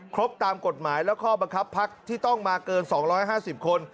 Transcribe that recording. ครบตามกฎหมายและข้อบังคับพักที่ต้องมาเกิน๒๕๐คน